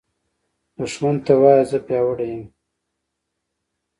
دښمن ته وایه “زه پیاوړی یم”